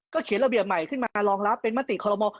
เขียนระเบียบใหม่ขึ้นมารองรับเป็นมติคอลโม